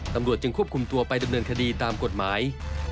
ตำรวจจึงควบคุมตัวไปดำเนินคดีตามกฎหมาย